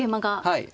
はい。